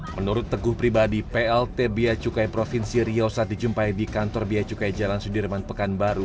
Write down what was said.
menurut teguh pribadi plt biacukai provinsi riau saat dijumpai di kantor biacukai jalan sudirman pekanbaru